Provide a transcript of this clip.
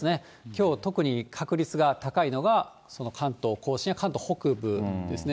きょう、特に確率が高いのが、その関東甲信や関東北部ですね。